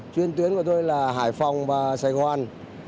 chuyên tuyến của tôi là hải phòng và sài gòn